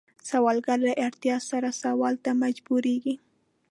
سوالګر له اړتیا سره سوال ته مجبوریږي